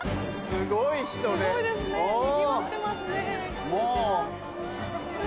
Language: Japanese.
すごいですねにぎわってますね。